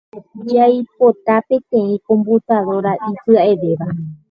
Jaipota peteĩ computadora ipya’evéva.